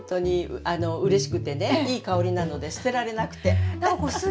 うれしくてねいい香りなので捨てられなくて。